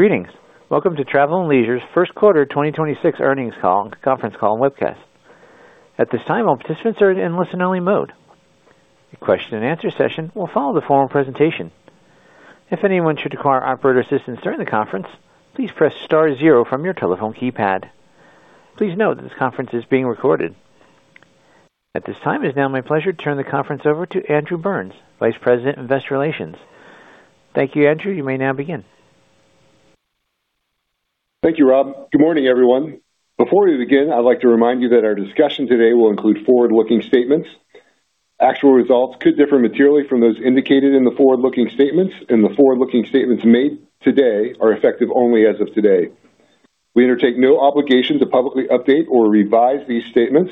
Greetings. Welcome to Travel + Leisure's first quarter 2026 earnings call, conference call, and webcast. At this time, all participants are in listen-only mode. A question and answer session will follow the formal presentation. If anyone should require operator assistance during the conference, please press * zero from your telephone keypad. Please note that this conference is being recorded. At this time, it is now my pleasure to turn the conference over to Andrew Burns, Vice President of Investor Relations. Thank you, Andrew. You may now begin. Thank you, uncertain. Good morning, everyone. Before we begin, I'd like to remind you that our discussion today will include forward-looking statements. Actual results could differ materially from those indicated in the forward-looking statements, and the forward-looking statements made today are effective only as of today. We undertake no obligation to publicly update or revise these statements.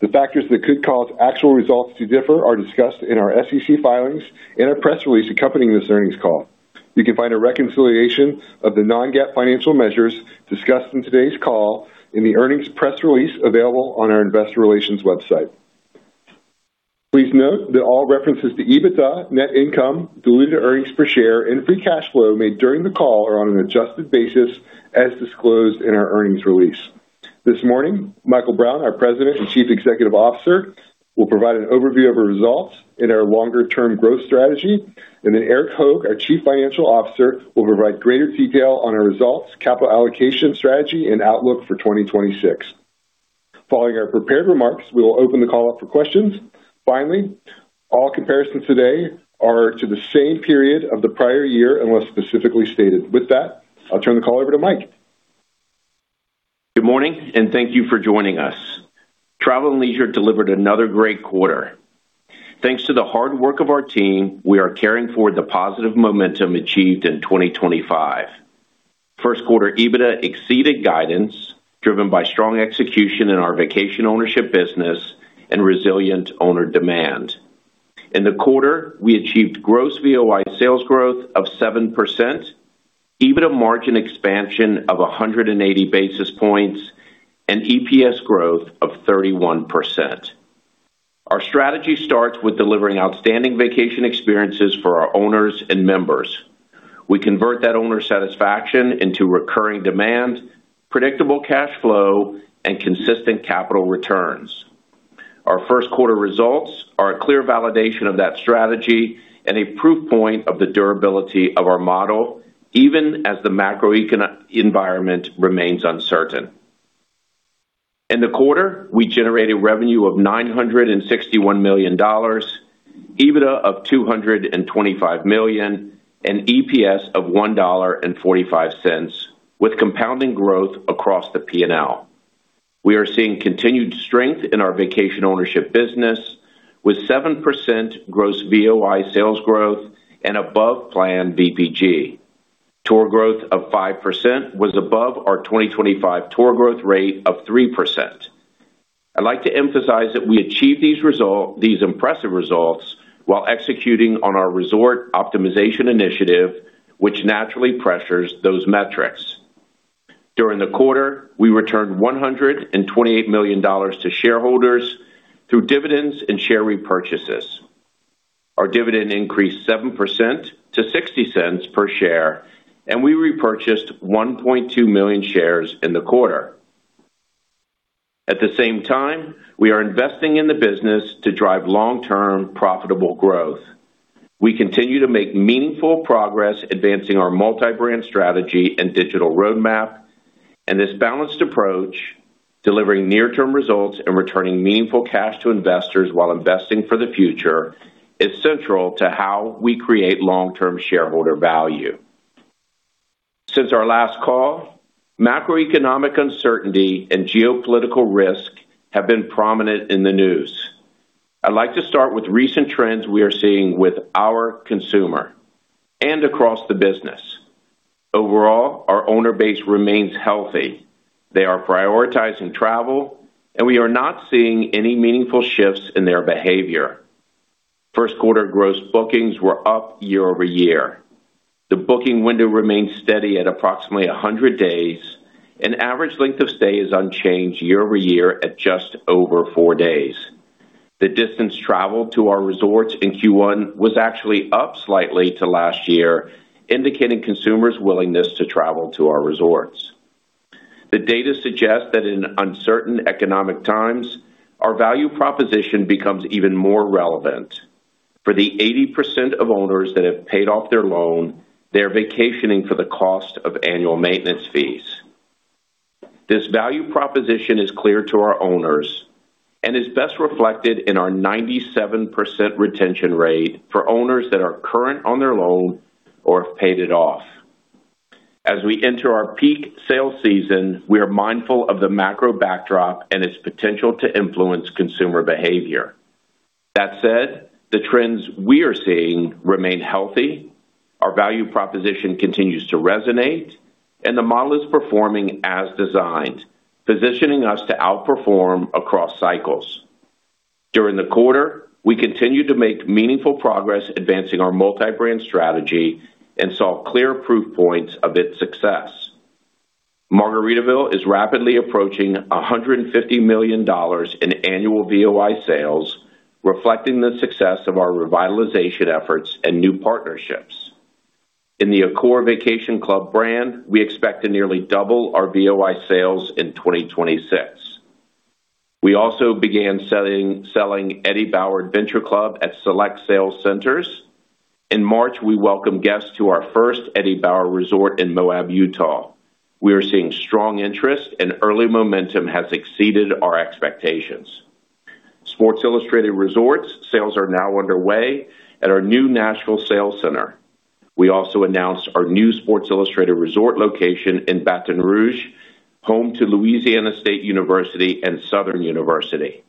The factors that could cause actual results to differ are discussed in our SEC filings and our press release accompanying this earnings call. You can find a reconciliation of the non-GAAP financial measures discussed in today's call in the earnings press release available on our investor relations website. Please note that all references to EBITDA, net income, diluted earnings per share, and free cash flow made during the call are on an adjusted basis as disclosed in our earnings release. This morning, Michael Brown, our President and Chief Executive Officer, will provide an overview of our results and our longer-term growth strategy, and then Erik Hoag, our Chief Financial Officer, will provide greater detail on our results, capital allocation strategy, and outlook for 2026. Following our prepared remarks, we will open the call up for questions. Finally, all comparisons today are to the same period of the prior year, unless specifically stated. With that, I'll turn the call over to Mike. Good morning, and thank you for joining us. Travel + Leisure Co. delivered another great quarter. Thanks to the hard work of our team, we are carrying forward the positive momentum achieved in 2025. First quarter EBITDA exceeded guidance driven by strong execution in our Vacation Ownership business and resilient owner demand. In the quarter, we achieved gross VOI sales growth of 7%, EBITDA margin expansion of 180 basis points, and EPS growth of 31%. Our strategy starts with delivering outstanding vacation experiences for our owners and members. We convert that owner satisfaction into recurring demand, predictable cash flow, and consistent capital returns. Our first quarter results are a clear validation of that strategy and a proof point of the durability of our model, even as the macroeconomic environment remains uncertain. In the quarter, we generated revenue of $961 million, EBITDA of $225 million and EPS of $1.45 with compounding growth across the P&L. We are seeing continued strength in our Vacation Ownership business with 7% gross VOI sales growth and above plan VPG. Tour growth of 5% was above our 2025 tour growth rate of 3%. I'd like to emphasize that we achieved these impressive results while executing on our resort optimization initiative, which naturally pressures those metrics. During the quarter, we returned $128 million to shareholders through dividends and share repurchases. Our dividend increased 7% to $0.60 per share, and we repurchased 1.2 million shares in the quarter. At the same time, we are investing in the business to drive long-term profitable growth. We continue to make meaningful progress advancing our multi-brand strategy and digital roadmap, and this balanced approach, delivering near-term results and returning meaningful cash to investors while investing for the future, is central to how we create long-term shareholder value. Since our last call, macroeconomic uncertainty and geopolitical risk have been prominent in the news. I'd like to start with recent trends we are seeing with our consumer and across the business. Overall, our owner base remains healthy. They are prioritizing travel, and we are not seeing any meaningful shifts in their behavior. First quarter gross bookings were up year-over-year. The booking window remains steady at approximately 100 days, and average length of stay is unchanged year-over-year at just over four days. The distance traveled to our resorts in Q1 was actually up slightly to last year, indicating consumers' willingness to travel to our resorts. The data suggests that in uncertain economic times, our value proposition becomes even more relevant. For the 80% of owners that have paid off their loan, they're vacationing for the cost of annual maintenance fees. This value proposition is clear to our owners and is best reflected in our 97% retention rate for owners that are current on their loan or have paid it off. As we enter our peak sales season, we are mindful of the macro backdrop and its potential to influence consumer behavior. That said, the trends we are seeing remain healthy. Our value proposition continues to resonate, and the model is performing as designed, positioning us to outperform across cycles. During the quarter, we continued to make meaningful progress advancing our multi-brand strategy and saw clear proof points of its success. Margaritaville is rapidly approaching $150 million in annual VOI sales, reflecting the success of our revitalization efforts and new partnerships. In the Accor Vacation Club brand, we expect to nearly double our VOI sales in 2026. We also began selling Eddie Bauer Adventure Club at select sales centers. In March, we welcomed guests to our first Eddie Bauer Resort in Moab, Utah. We are seeing strong interest, and early momentum has exceeded our expectations. Sports Illustrated Resorts sales are now underway at our new national sales center. We also announced our new Sports Illustrated Resort location in Baton Rouge, home to Louisiana State University and Southern University.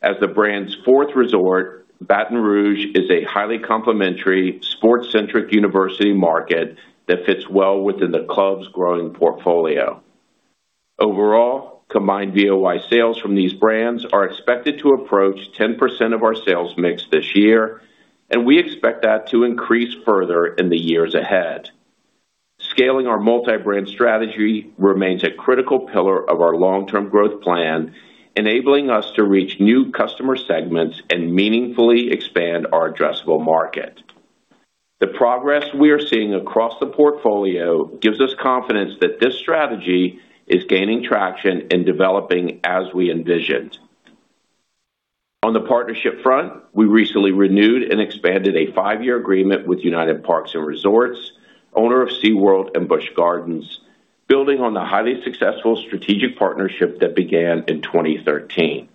As the brand's fourth resort, Baton Rouge is a highly complementary sports-centric university market that fits well within the club's growing portfolio. Overall, combined VOI sales from these brands are expected to approach 10% of our sales mix this year, and we expect that to increase further in the years ahead. Scaling our multi-brand strategy remains a critical pillar of our long-term growth plan, enabling us to reach new customer segments and meaningfully expand our addressable market. The progress we are seeing across the portfolio gives us confidence that this strategy is gaining traction and developing as we envisioned. On the partnership front, we recently renewed and expanded a five-year agreement with United Parks & Resorts, owner of SeaWorld and Busch Gardens, building on the highly successful strategic partnership that began in 2013.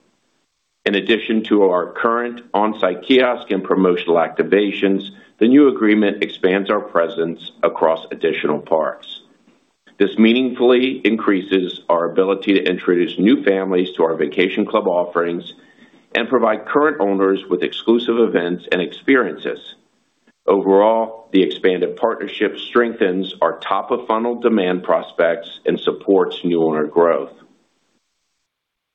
In addition to our current on-site kiosk and promotional activations, the new agreement expands our presence across additional parks. This meaningfully increases our ability to introduce new families to our vacation club offerings and provide current owners with exclusive events and experiences. Overall, the expanded partnership strengthens our top-of-funnel demand prospects and supports new owner growth.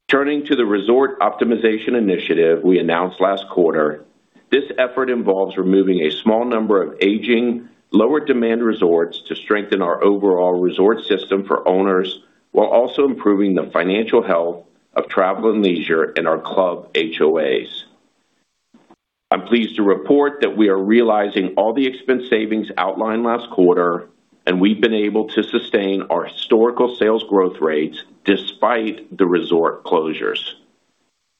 Turning to the resort optimization initiative we announced last quarter, this effort involves removing a small number of aging, lower-demand resorts to strengthen our overall resort system for owners while also improving the financial health of Travel + Leisure in our club HOAs. I'm pleased to report that we are realizing all the expense savings outlined last quarter, and we've been able to sustain our historical sales growth rates despite the resort closures.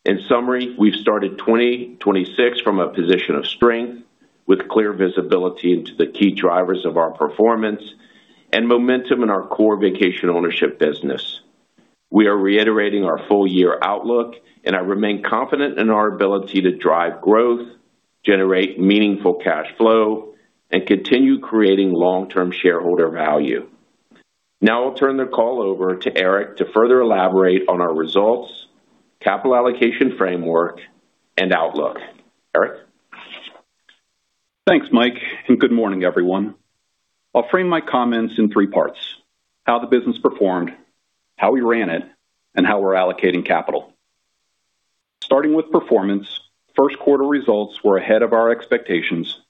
In summary, we've started 2026 from a position of strength with clear visibility into the key drivers of our performance and momentum in our core Vacation Ownership business. We are reiterating our full-year outlook, and I remain confident in our ability to drive growth, generate meaningful cash flow, and continue creating long-term shareholder value. Now I'll turn the call over to Erik to further elaborate on our results, capital allocation framework, and outlook. Erik? Thanks, Mike, and good morning, everyone. I'll frame my comments in three parts: how the business performed, how we ran it, and how we're allocating capital. Starting with performance, first quarter results were ahead of our expectations,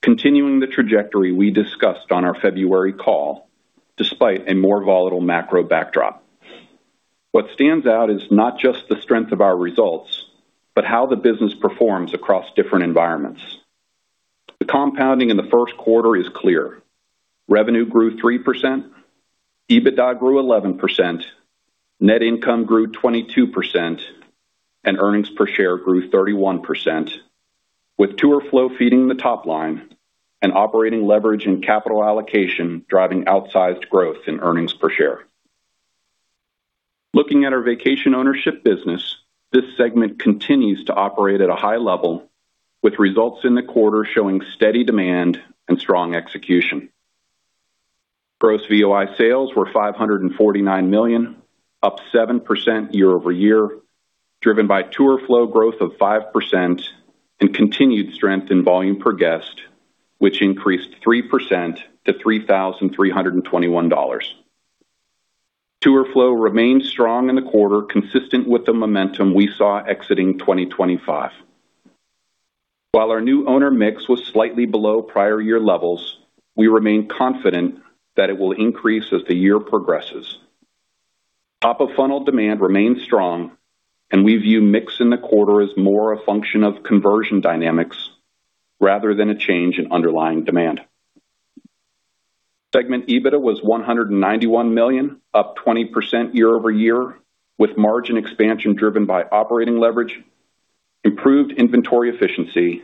continuing the trajectory we discussed on our February call despite a more volatile macro backdrop. What stands out is not just the strength of our results, but how the business performs across different environments. The compounding in the first quarter is clear. Revenue grew 3%, EBITDA grew 11%, net income grew 22%, and earnings per share grew 31%, with tour flow feeding the top line and operating leverage and capital allocation driving outsized growth in earnings per share. Looking at our Vacation Ownership business, this segment continues to operate at a high level, with results in the quarter showing steady demand and strong execution. Gross VOI sales were $549 million, up 7% year-over-year, driven by tour flow growth of 5% and continued strength in volume per guest, which increased 3% to $3,321. Tour flow remained strong in the quarter, consistent with the momentum we saw exiting 2025. While our new owner mix was slightly below prior year levels, we remain confident that it will increase as the year progresses. Top-of-funnel demand remains strong, and we view mix in the quarter as more a function of conversion dynamics rather than a change in underlying demand. Segment EBITDA was $191 million, up 20% year-over-year, with margin expansion driven by operating leverage, improved inventory efficiency,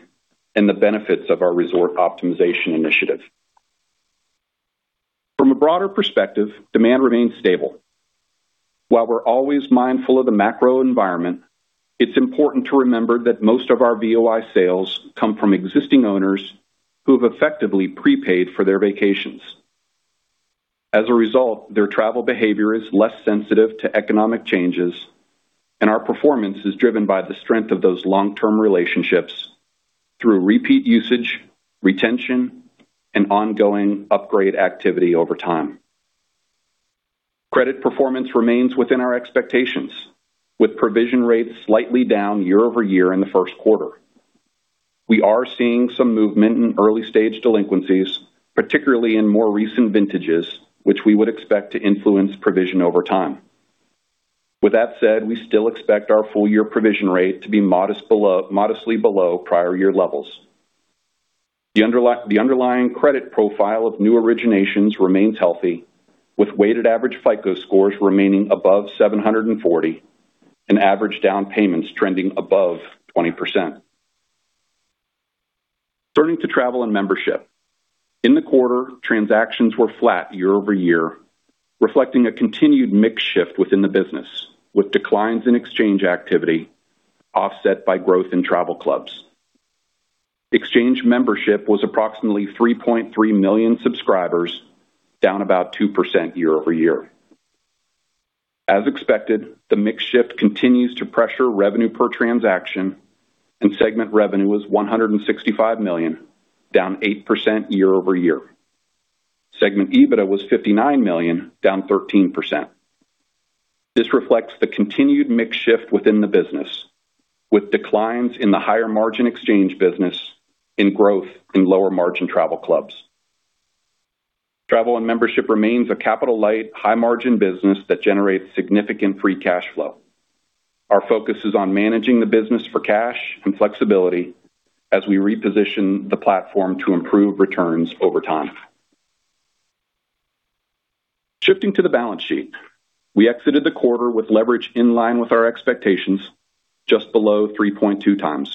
and the benefits of our resort optimization initiative. From a broader perspective, demand remains stable. While we're always mindful of the macro environment, it's important to remember that most of our VOI sales come from existing owners who have effectively prepaid for their vacations. As a result, their travel behavior is less sensitive to economic changes, and our performance is driven by the strength of those long-term relationships through repeat usage, retention, and ongoing upgrade activity over time. Credit performance remains within our expectations, with provision rates slightly down year-over-year in the first quarter. We are seeing some movement in early-stage delinquencies, particularly in more recent vintages, which we would expect to influence provision over time. With that said, we still expect our full year provision rate to be modestly below prior year levels. The underlying credit profile of new originations remains healthy, with weighted average FICO scores remaining above 740 and average down payments trending above 20%. Turning to Travel and Membership. In the quarter, transactions were flat year-over-year, reflecting a continued mix shift within the business, with declines in exchange activity offset by growth in travel clubs. Exchange membership was approximately 3.3 million subscribers, down about 2% year-over-year. As expected, the mix shift continues to pressure revenue per transaction and segment revenue was $165 million, down 8% year-over-year. Segment EBITDA was $59 million, down 13%. This reflects the continued mix shift within the business, with declines in the higher margin exchange business and growth in lower margin travel clubs. Travel and Membership remains a capital light, high margin business that generates significant free cash flow. Our focus is on managing the business for cash and flexibility as we reposition the platform to improve returns over time. Shifting to the balance sheet. We exited the quarter with leverage in line with our expectations, just below 3.2x.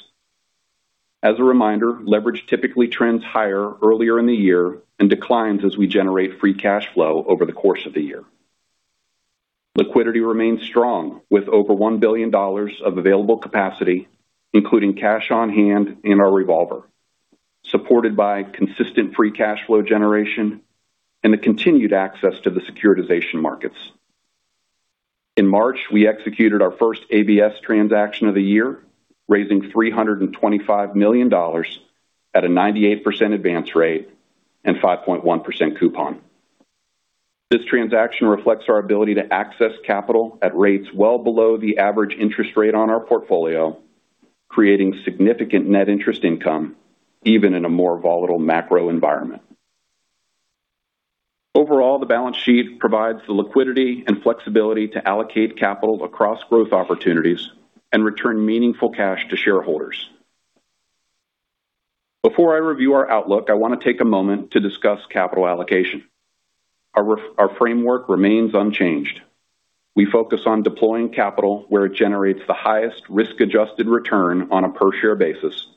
As a reminder, leverage typically trends higher earlier in the year and declines as we generate free cash flow over the course of the year. Liquidity remains strong with over $1 billion of available capacity, including cash on hand and our revolver, supported by consistent free cash flow generation and the continued access to the securitization markets. In March, we executed our first ABS transaction of the year, raising $325 million at a 98% advance rate and 5.1% coupon. This transaction reflects our ability to access capital at rates well below the average interest rate on our portfolio, creating significant net interest income even in a more volatile macro environment. Overall, the balance sheet provides the liquidity and flexibility to allocate capital across growth opportunities and return meaningful cash to shareholders. Before I review our outlook, I want to take a moment to discuss capital allocation. Our framework remains unchanged. We focus on deploying capital where it generates the highest risk-adjusted return on a per share basis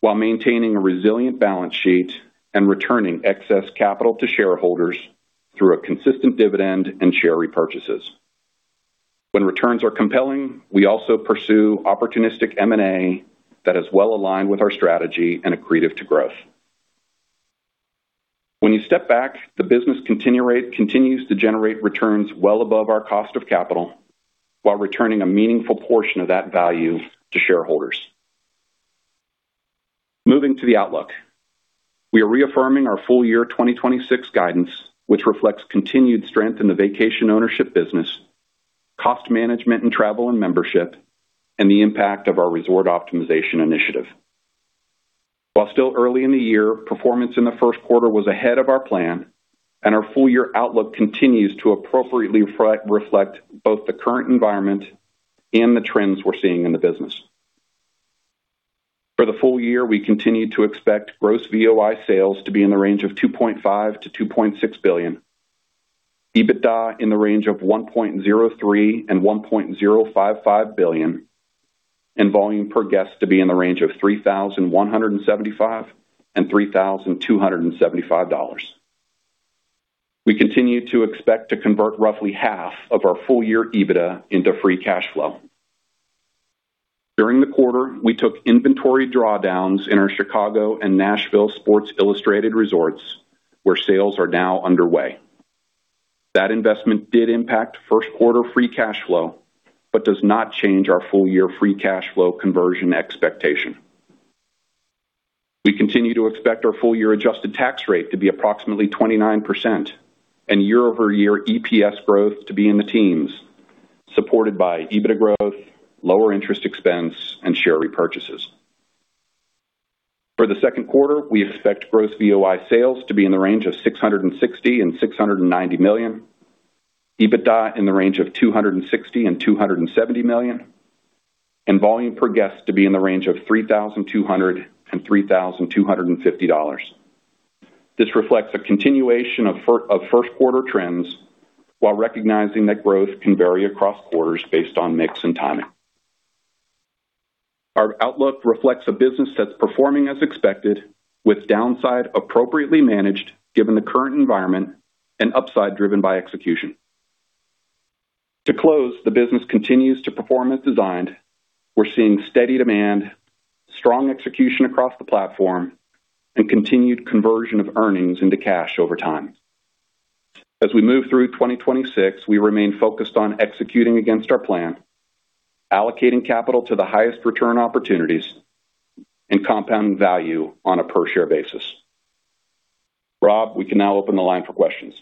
while maintaining a resilient balance sheet and returning excess capital to shareholders through a consistent dividend and share repurchases. When returns are compelling, we also pursue opportunistic M&A that is well aligned with our strategy and accretive to growth. When you step back, the business continues to generate returns well above our cost of capital while returning a meaningful portion of that value to shareholders. Moving to the outlook. We are reaffirming our full year 2026 guidance, which reflects continued strength in the Vacation Ownership business, cost management in Travel and Membership, and the impact of our resort optimization initiative. While still early in the year, performance in the first quarter was ahead of our plan, and our full year outlook continues to appropriately reflect both the current environment and the trends we're seeing in the business. For the full year, we continue to expect gross VOI sales to be in the range of $2.5 billion-$2.6 billion, EBITDA in the range of $1.03 billion-$1.055 billion, and volume per guest to be in the range of $3,175-$3,275. We continue to expect to convert roughly half of our full year EBITDA into free cash flow. During the quarter, we took inventory drawdowns in our Chicago and Nashville Sports Illustrated Resorts, where sales are now underway. That investment did impact first quarter free cash flow, but does not change our full year free cash flow conversion expectation. We continue to expect our full year adjusted tax rate to be approximately 29% and year-over-year EPS growth to be in the teens, supported by EBITDA growth, lower interest expense and share repurchases. For the second quarter, we expect gross VOI sales to be in the range of $660 million-$690 million, EBITDA in the range of $260 million-$270 million, and volume per guest to be in the range of $3,200-$3,250. This reflects a continuation of first quarter trends, while recognizing that growth can vary across quarters based on mix and timing. Our outlook reflects a business that's performing as expected with downside appropriately managed given the current environment and upside driven by execution. To close, the business continues to perform as designed. We're seeing steady demand, strong execution across the platform, and continued conversion of earnings into cash over time. As we move through 2026, we remain focused on executing against our plan, allocating capital to the highest return opportunities, and compounding value on a per share basis. uncertain, we can now open the line for questions.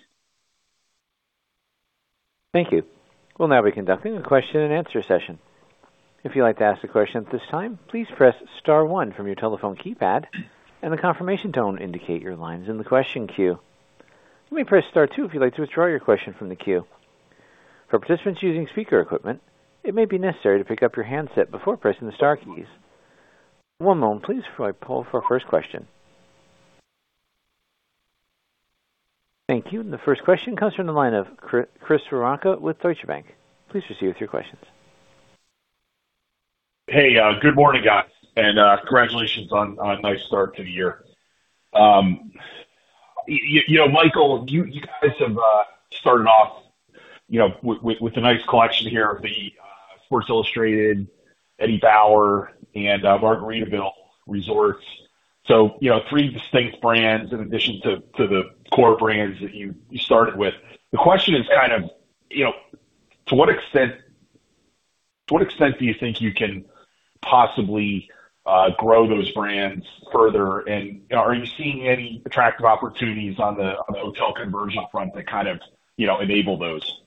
Thank you. We'll now be conducting a question and answer session. If you'd like to ask a question at this time, please press * one from your telephone keypad, and a confirmation tone indicate your line's in the question queue. You may press * two if you'd like to withdraw your question from the queue. For participants using speaker equipment, it may be necessary to pick up your handset before pressing the * keys. One moment, please, while I poll for our first question. Thank you. The first question comes from the line of Chris Woronka with Deutsche Bank. Please proceed with your questions. Hey, good morning, guys, and congratulations on a nice start to the year. Michael, you guys have started off with a nice collection here of the Sports Illustrated, Eddie Bauer, and Margaritaville Resorts. Three distinct brands in addition to the core brands that you started with. The question is to what extent do you think you can possibly grow those brands further? Are you seeing any attractive opportunities on the hotel conversion front that kind of enable those?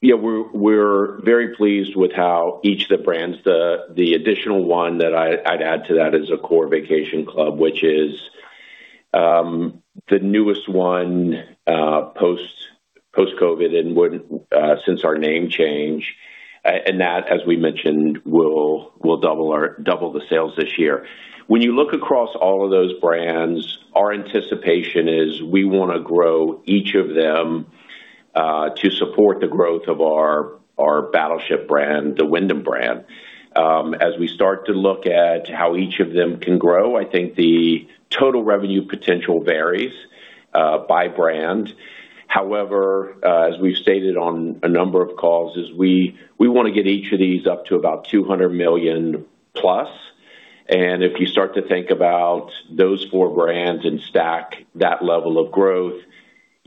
Yeah, we're very pleased with how each of the brands, the additional one that I'd add to that is Accor Vacation Club, which is the newest one post-COVID and since our name change. That, as we mentioned, will double the sales this year. When you look across all of those brands, our anticipation is we want to grow each of them, to support the growth of our battleship brand, the Wyndham brand. As we start to look at how each of them can grow, I think the total revenue potential varies by brand. However, as we've stated on a number of calls, we want to get each of these up to about $200 million plus. If you start to think about those four brands and stack that level of growth,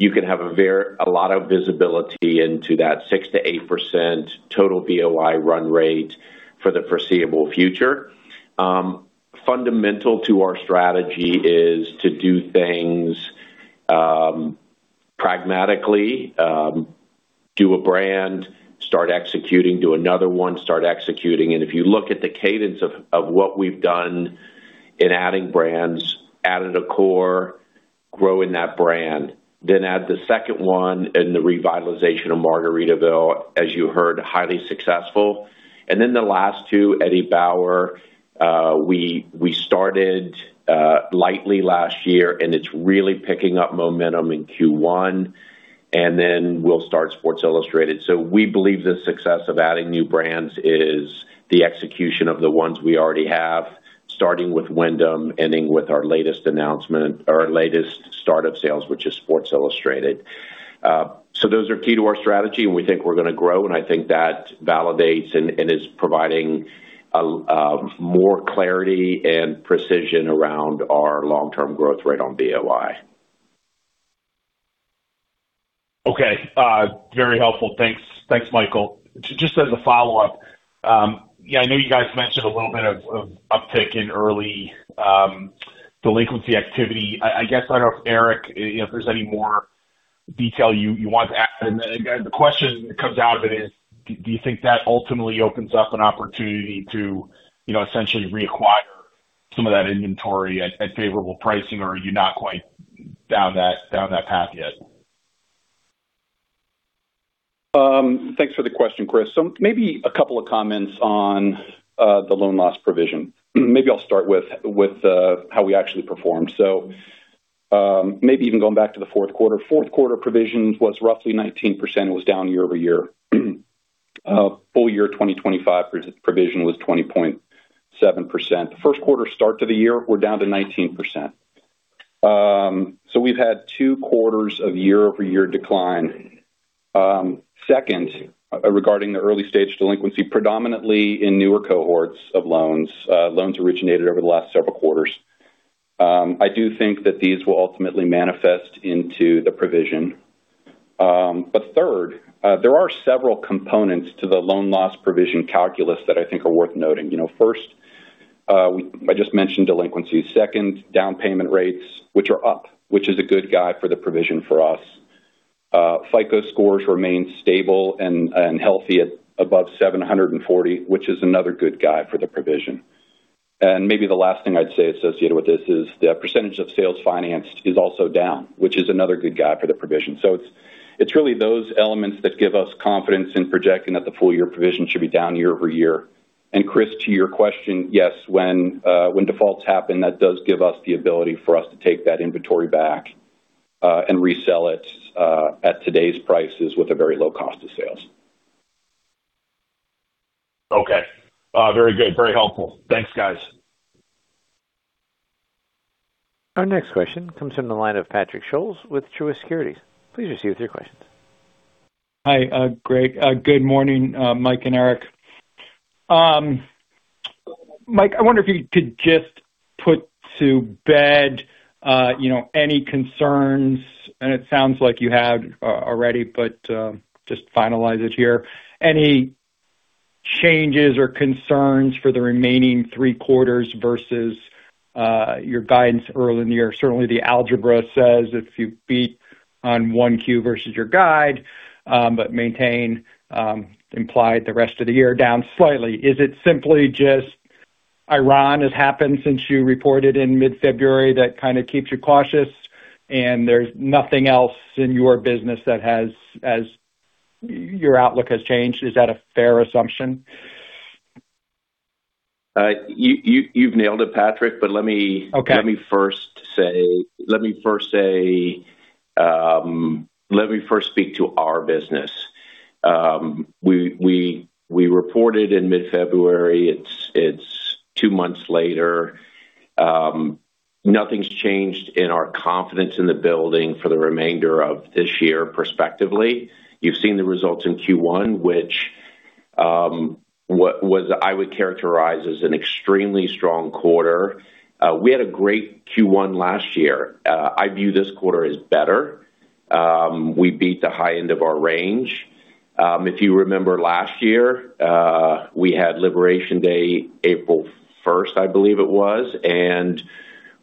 you can have a lot of visibility into that 6%-8% total VOI run rate for the foreseeable future. Fundamental to our strategy is to do things pragmatically, do a brand, start executing, do another one, start executing. If you look at the cadence of what we've done in adding brands, added Accor, growing that brand, then add the second one in the revitalization of Margaritaville, as you heard, highly successful. Then the last two, Eddie Bauer, we started lightly last year, and it's really picking up momentum in Q1, and then we'll start Sports Illustrated. We believe the success of adding new brands is the execution of the ones we already have, starting with Wyndham, ending with our latest announcement, our latest startup sales, which is Sports Illustrated. Those are key to our strategy, and we think we're going to grow, and I think that validates and is providing more clarity and precision around our long-term growth rate on VOI. Okay. Very helpful. Thanks, Michael. Just as a follow-up, I know you guys mentioned a little bit of uptick in early delinquency activity. I guess I don't know, Erik, if there's any more detail you want to add. The question that comes out of it is, do you think that ultimately opens up an opportunity to essentially reacquire some of that inventory at favorable pricing, or are you not quite down that path yet? Thanks for the question, Chris. Maybe a couple of comments on the loan loss provision. Maybe I'll start with how we actually performed. Maybe even going back to the fourth quarter. Fourth quarter provision was roughly 19%, down year-over-year. Full year 2025 provision was 20.7%. First quarter to start the year, we're down to 19%. We've had 2 quarters of year-over-year decline. Second, regarding the early stage delinquency, predominantly in newer cohorts of loans originated over the last several quarters. I do think that these will ultimately manifest into the provision. Third, there are several components to the loan loss provision calculus that I think are worth noting. First, I just mentioned delinquencies. Second, down payment rates, which are up, which is a good guide for the provision for us. FICO scores remain stable and healthy at above 740, which is another good guide for the provision. Maybe the last thing I'd say associated with this is the percentage of sales financed is also down, which is another good guide for the provision. It's really those elements that give us confidence in projecting that the full year provision should be down year-over-year. Chris, to your question, yes, when defaults happen, that does give us the ability for us to take that inventory back and resell it at today's prices with a very low cost of sales. Okay. Very good. Very helpful. Thanks, guys. Our next question comes from the line of Patrick Scholes with Truist Securities. Please proceed with your questions. Hi, Greg. Good morning, Mike and Erik. Mike, I wonder if you could just put to bed any concerns, and it sounds like you have already, but just to finalize it here, any changes or concerns for the remaining three quarters versus your guidance early in the year. Certainly, the algebra says if you beat on one Q versus your guide, but maintain implied the rest of the year down slightly, is it simply just Iran has happened since you reported in mid-February, that kind of keeps you cautious and there's nothing else in your business that has, as your outlook has changed? Is that a fair assumption? You've nailed it, Patrick. Okay. Let me first speak to our business. We reported in mid-February. It's two months later. Nothing's changed in our confidence in the building for the remainder of this year prospectively. You've seen the results in Q1, which was, I would characterize as an extremely strong quarter. We had a great Q1 last year. I view this quarter as better. We beat the high end of our range. If you remember last year, we had Investor Day, April 1st, I believe it was, and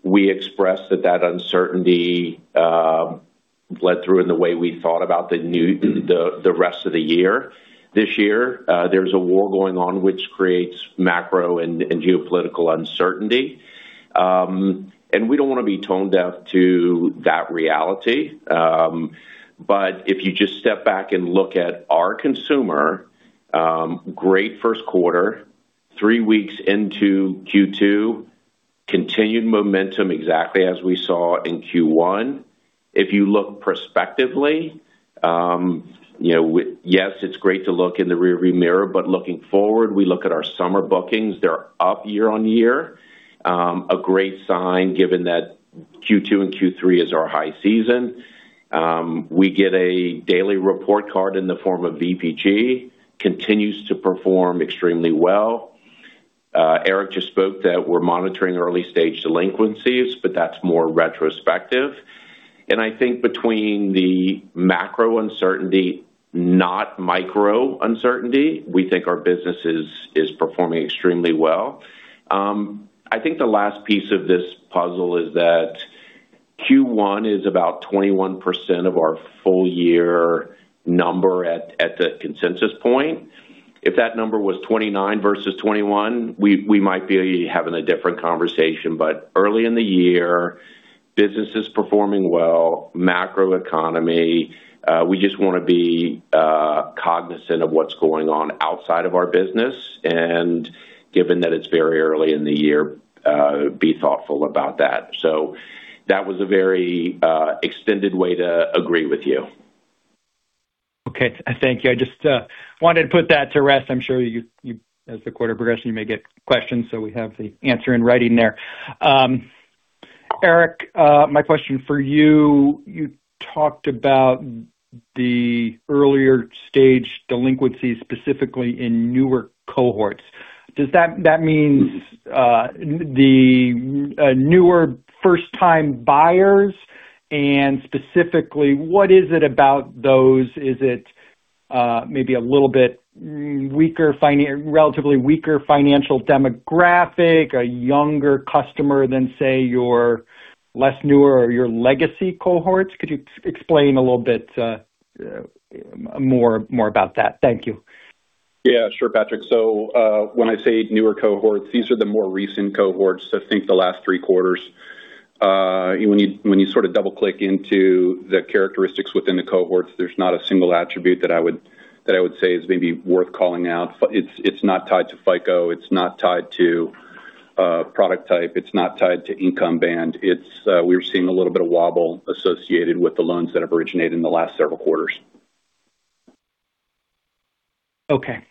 we expressed that that uncertainty bled through in the way we thought about the rest of the year. This year, there's a war going on which creates macro and geopolitical uncertainty. We don't want to be tone deaf to that reality. If you just step back and look at our consumer, great first quarter, three weeks into Q2, continued momentum, exactly as we saw in Q1. If you look prospectively, yes, it's great to look in the rear view mirror, but looking forward, we look at our summer bookings, they're up year-over-year. A great sign given that Q2 and Q3 is our high season. We get a daily report card in the form of VPG, continues to perform extremely well. Erik just spoke that we're monitoring early-stage delinquencies, but that's more retrospective. I think between the macro uncertainty, not micro uncertainty, we think our business is performing extremely well. I think the last piece of this puzzle is that Q1 is about 21% of our full year number at the consensus point. If that number was 29 versus 21, we might be having a different conversation, but early in the year, business is performing well. Macroeconomy, we just want to be cognizant of what's going on outside of our business and given that it's very early in the year, be thoughtful about that. That was a very extended way to agree with you. Okay. Thank you. I just wanted to put that to rest. I'm sure you, as the quarter progresses, you may get questions, so we have the answer in writing there. Erik, my question for you talked about the earlier stage delinquencies, specifically in newer cohorts. Does that mean the newer first time buyers? And specifically, what is it about those? Is it maybe a little bit weaker, relatively weaker financial demographic, a younger customer than, say, your less newer or your legacy cohorts? Could you explain a little bit more about that? Thank you. Yeah, sure, Patrick. When I say newer cohorts, these are the more recent cohorts. Think the last three quarters. When you sort of double click into the characteristics within the cohorts, there's not a single attribute that I would say is maybe worth calling out. It's not tied to FICO. It's not tied to product type. It's not tied to income band. We're seeing a little bit of wobble associated with the loans that have originated in the last several quarters. Okay.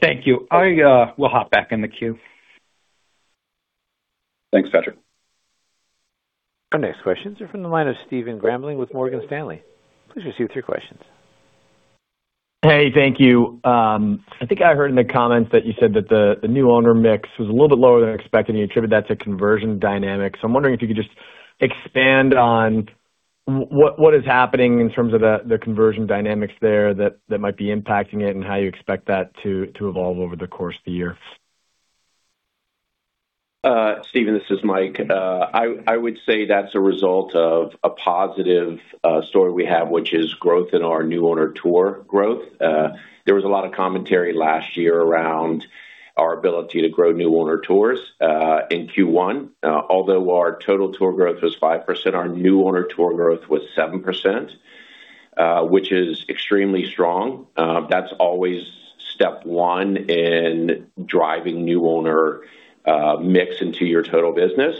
Thank you. I will hop back in the queue. Thanks, Patrick. Our next questions are from the line of Stephen Grambling with Morgan Stanley. Please proceed with your questions. Hey, thank you. I think I heard in the comments that you said that the new owner mix was a little bit lower than expected, and you attribute that to conversion dynamics. I'm wondering if you could just expand on what is happening in terms of the conversion dynamics there that might be impacting it, and how you expect that to evolve over the course of the year. Stephen, this is Mike. I would say that's a result of a positive story we have, which is growth in our new owner tour growth. There was a lot of commentary last year around our ability to grow new owner tours. In Q1, although our total tour growth was 5%, our new owner tour growth was 7%, which is extremely strong. That's always step one in driving new owner mix into your total business.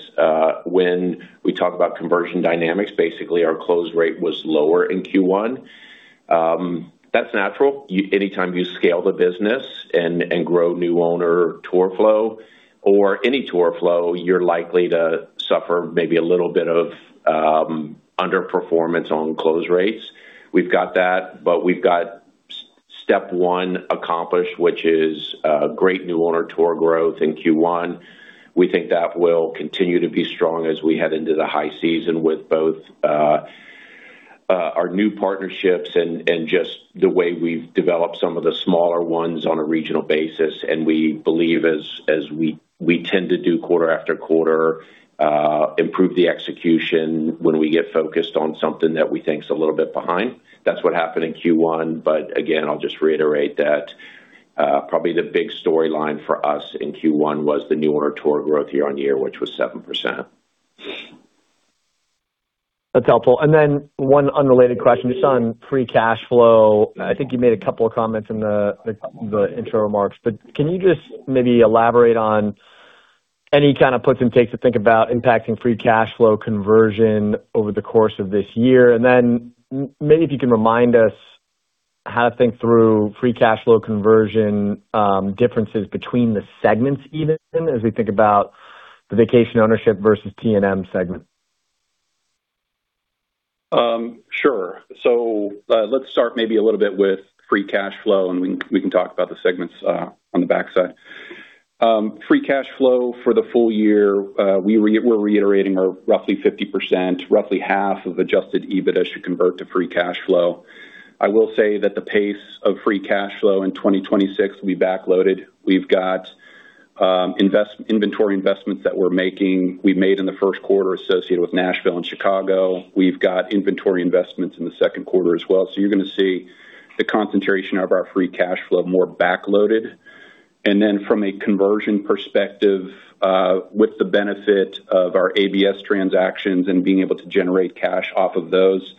When we talk about conversion dynamics, basically, our close rate was lower in Q1. That's natural. Anytime you scale the business and grow new owner tour flow or any tour flow, you're likely to suffer maybe a little bit of underperformance on close rates. We've got that, but we've got step one accomplished, which is great new owner tour growth in Q1. We think that will continue to be strong as we head into the high season with both. Our new partnerships and just the way we've developed some of the smaller ones on a regional basis, and we believe as we tend to do quarter after quarter, improve the execution when we get focused on something that we think is a little bit behind. That's what happened in Q1. Again, I'll just reiterate that probably the big storyline for us in Q1 was the new owner tour growth year on year, which was 7%. That's helpful. One unrelated question just on free cash flow. I think you made a couple of comments in the intro remarks, but can you just maybe elaborate on any kind of puts and takes to think about impacting free cash flow conversion over the course of this year? Maybe if you can remind us how to think through free cash flow conversion, differences between the segments even as we think about the Vacation Ownership versus T&M segment. Sure. Let's start maybe a little bit with free cash flow, and we can talk about the segments on the backside. Free cash flow for the full year, we're reiterating our roughly 50%, roughly half of adjusted EBITDA should convert to free cash flow. I will say that the pace of free cash flow in 2026 will be backloaded. We've got inventory investments that we're making, we made in the first quarter associated with Nashville and Chicago. We've got inventory investments in the second quarter as well. You're going to see the concentration of our free cash flow more backloaded. Then from a conversion perspective, with the benefit of our ABS transactions and being able to generate cash off of those,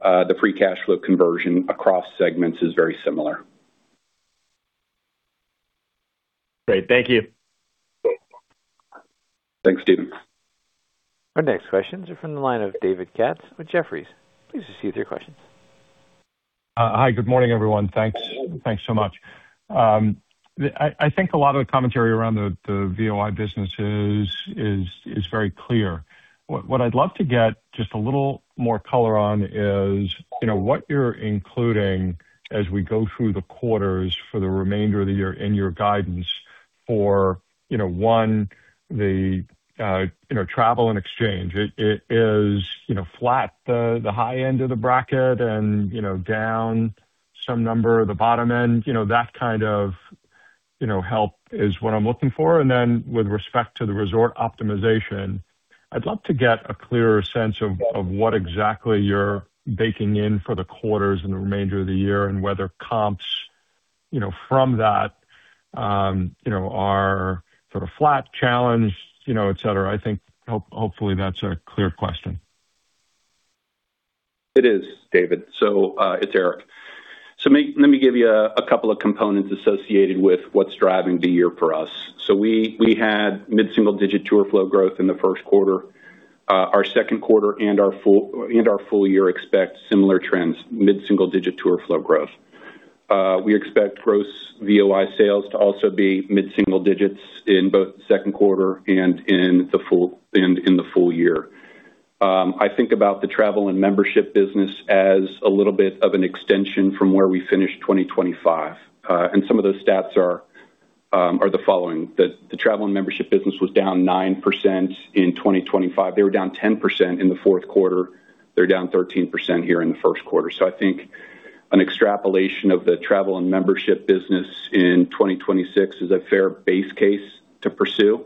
the free cash flow conversion across segments is very similar. Great. Thank you. Thanks, Stephen. Our next questions are from the line of David Katz with Jefferies. Please proceed with your questions. Hi. Good morning, everyone. Thanks so much. I think a lot of the commentary around the VOI business is very clear. What I'd love to get just a little more color on is what you're including as we go through the quarters for the remainder of the year in your guidance for one, the Travel and Membership. It is flat, the high end of the bracket and down some number at the bottom end. That kind of help is what I'm looking for. With respect to the resort optimization, I'd love to get a clearer sense of what exactly you're baking in for the quarters in the remainder of the year and whether comps from that are sort of flat, challenging, et cetera. I think hopefully that's a clear question. It is, David. It's Erik. Let me give you a couple of components associated with what's driving the year for us. We had mid-single digit tour flow growth in the first quarter. Our second quarter and our full year expect similar trends, mid-single digit tour flow growth. We expect gross VOI sales to also be mid-single digits in both second quarter and in the full year. I think about the Travel and Membership business as a little bit of an extension from where we finished 2025. Some of those stats are the following. The Travel and Membership business was down 9% in 2025. They were down 10% in the fourth quarter. They're down 13% here in the first quarter. I think an extrapolation of the Travel and Membership business in 2026 is a fair base case to pursue.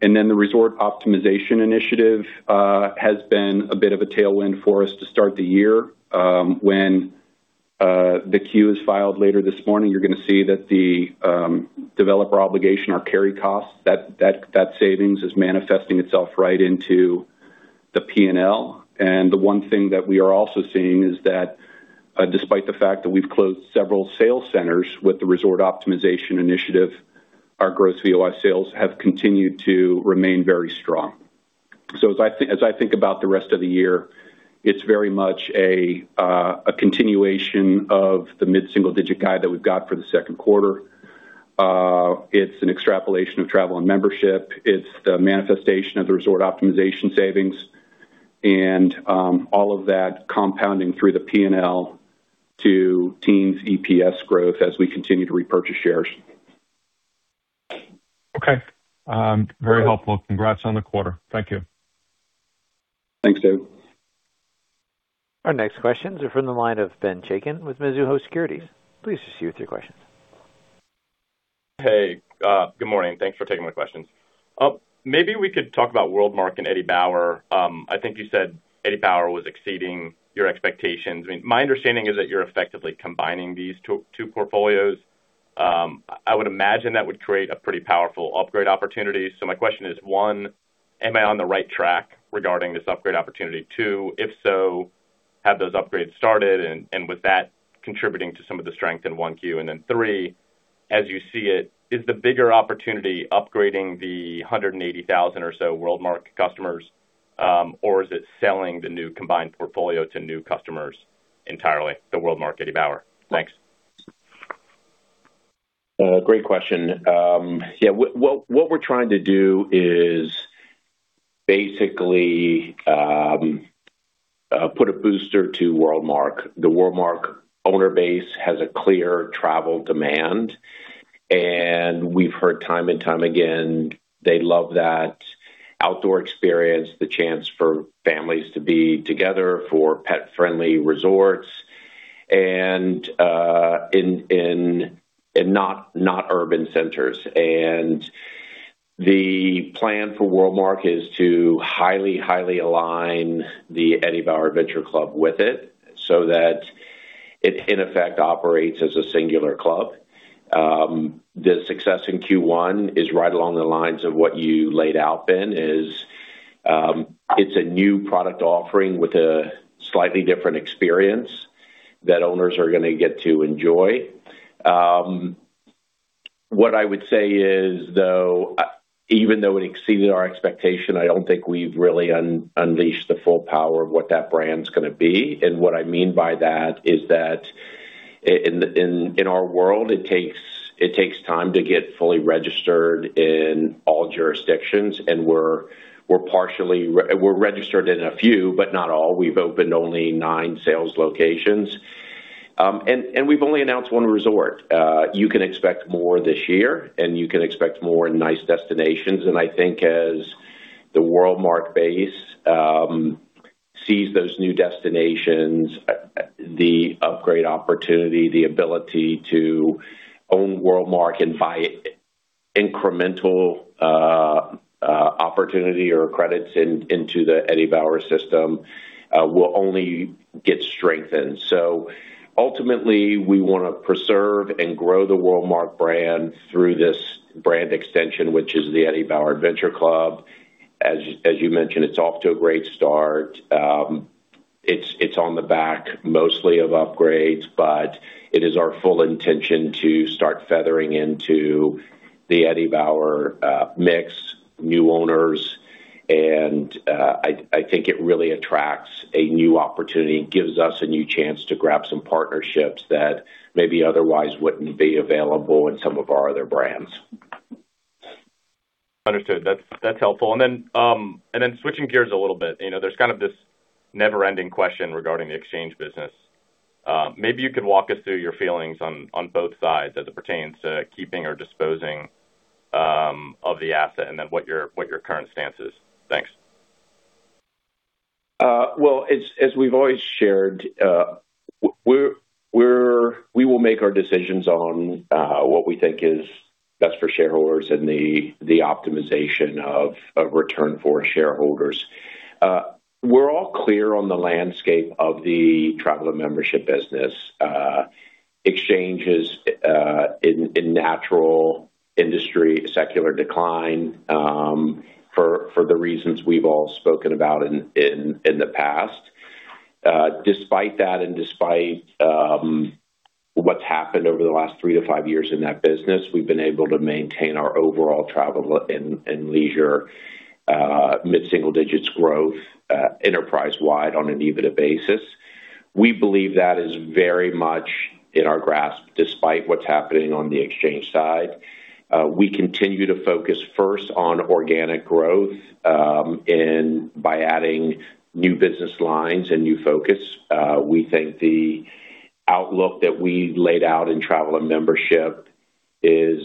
Then the resort optimization initiative has been a bit of a tailwind for us to start the year. When the Q is filed later this morning, you're going to see that the developer obligation, our carry costs, that savings is manifesting itself right into the P&L. The one thing that we are also seeing is that despite the fact that we've closed several sales centers with the resort optimization initiative, our gross VOI sales have continued to remain very strong. As I think about the rest of the year, it's very much a continuation of the mid-single-digit guide that we've got for the second quarter. It's an extrapolation of Travel and Membership. It's the manifestation of the resort optimization savings and all of that compounding through the P&L to teens% EPS growth as we continue to repurchase shares. Okay. Very helpful. Congrats on the quarter. Thank you. Thanks, David. Our next questions are from the line of Ben Chaiken with Mizuho Securities. Please proceed with your questions. Hey, good morning. Thanks for taking my questions. Maybe we could talk about WorldMark and Eddie Bauer. I think you said Eddie Bauer was exceeding your expectations. My understanding is that you're effectively combining these two portfolios. I would imagine that would create a pretty powerful upgrade opportunity. My question is, one, am I on the right track regarding this upgrade opportunity? Two, if so, have those upgrades started, and with that contributing to some of the strength in Q1? And then three, as you see it, is the bigger opportunity upgrading the 180,000 or so WorldMark customers? Or is it selling the new combined portfolio to new customers entirely, the WorldMark Eddie Bauer? Thanks. Great question. Yeah, what we're trying to do is basically put a booster to WorldMark. The WorldMark owner base has a clear travel demand We've heard time and time again, they love that outdoor experience, the chance for families to be together, for pet-friendly resorts, and in non-urban centers. The plan for WorldMark is to highly align the Eddie Bauer Adventure Club with it so that it in effect operates as a singular club. The success in Q1 is right along the lines of what you laid out, Ben, it's a new product offering with a slightly different experience that owners are going to get to enjoy. What I would say is, though, even though it exceeded our expectation, I don't think we've really unleashed the full power of what that brand's going to be. What I mean by that is that in our world, it takes time to get fully registered in all jurisdictions. We're partially registered in a few, but not all. We've opened only nine sales locations. We've only announced one resort. You can expect more this year, and you can expect more in nice destinations. I think as the WorldMark base sees those new destinations, the upgrade opportunity, the ability to own WorldMark and buy incremental opportunity or credits into the Eddie Bauer system, will only get strengthened. Ultimately, we want to preserve and grow the WorldMark brand through this brand extension, which is the Eddie Bauer Adventure Club. As you mentioned, it's off to a great start. It's on the back mostly of upgrades, but it is our full intention to start feathering into the Eddie Bauer mix new owners. I think it really attracts a new opportunity and gives us a new chance to grab some partnerships that maybe otherwise wouldn't be available in some of our other brands. Understood. That's helpful. Switching gears a little bit. There's kind of this never-ending question regarding the exchange business. Maybe you can walk us through your feelings on both sides as it pertains to keeping or disposing of the asset, and then what your current stance is. Thanks. Well, as we've always shared, we will make our decisions on what we think is best for shareholders and the optimization of return for shareholders. We're all clear on the landscape of the Travel and Membership business. Exchanges in natural industry, secular decline for the reasons we've all spoken about in the past. Despite that and despite what's happened over the last 3-5 years in that business, we've been able to maintain our overall Travel + Leisure mid-single digits growth enterprise wide on an EBITDA basis. We believe that is very much in our grasp despite what's happening on the exchange side. We continue to focus first on organic growth by adding new business lines and new focus. We think the outlook that we laid out in Travel and Membership is